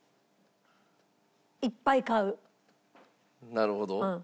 なるほど。